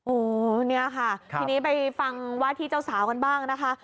โอ้โหเนี่ยค่ะทีนี้ไปฟังว่าที่เจ้าสาวกันบ้างนะคะ